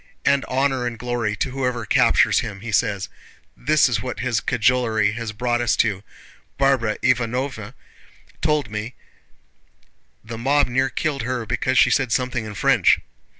'And honor and glory to whoever captures him,' he says. This is what his cajolery has brought us to! Barbara Ivánovna told me the mob near killed her because she said something in French."